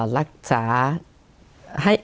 รักษา